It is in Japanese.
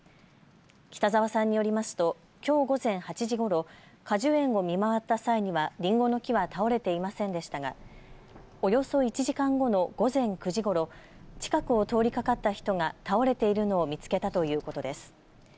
北沢さんによりますときょう午前８時ごろ果樹園を見回った際にはりんごの木は倒れていませんでしたがおよそ１時間後の午前９時ごろ近くを通りかかった人が倒れているのを見つけたということです。